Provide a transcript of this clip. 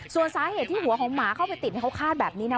ส่วนสาเหตุที่หัวของหมาเข้าไปติดเขาคาดแบบนี้นะ